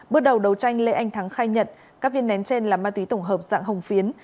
bước đầu đấu tranh lê anh thắng khai nhận các viên nén trên là ma túy tổng hợp dạng hồng phiến